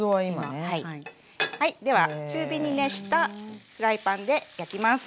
はいでは中火に熱したフライパンで焼きます。